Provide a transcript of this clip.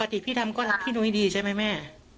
ครับปกติพี่ดำก็ที่ดุให้ดีใช่ไหมแม่